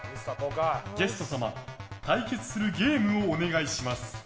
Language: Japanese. ゲスト様、対決するゲームをお願いします。